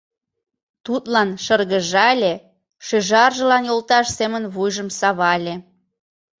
Тудлан шыргыжале, шӱжаржылан йолташ семын вуйжым савале.